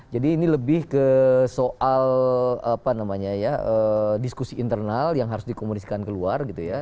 jadi ini lebih ke soal diskusi internal yang harus dikomunisikan keluar gitu ya